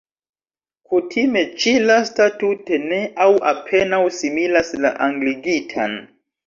Kutime ĉi-lasta tute ne aŭ apenaŭ similas la angligitan.